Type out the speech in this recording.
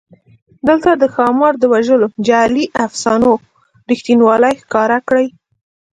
دلته د ښامار د وژلو جعلي افسانو رښتینوالی ښکاره کړی.